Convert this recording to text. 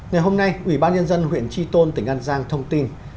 ngày hôm nay ủy ban nhân dân huyện tri tôn tỉnh an giang thông tin